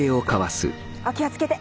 お気を付けて。